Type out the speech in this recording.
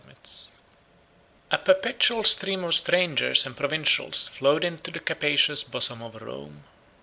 ] A perpetual stream of strangers and provincials flowed into the capacious bosom of Rome.